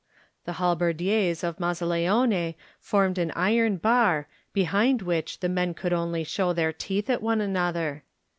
The halberdiers of Mazzaleone formed an iron bar, behind which the men could only show their teeth at one another.